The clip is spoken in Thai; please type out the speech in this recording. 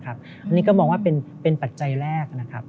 อันนี้ก็มองว่าเป็นปัจจัยแรก